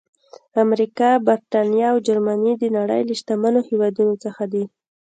امریکا، برېټانیا او جرمني د نړۍ له شتمنو هېوادونو څخه دي.